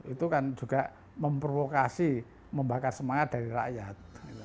itu kan juga memprovokasi membakar semangat dari rakyat